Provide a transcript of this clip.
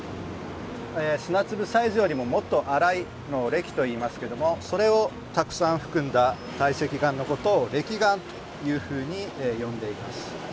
砂粒サイズよりももっと粗いのをれきといいますけどもそれをたくさん含んだ堆積岩のことをれき岩というふうに呼んでいます。